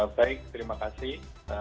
baik terima kasih